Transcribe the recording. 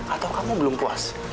atau kamu belum puas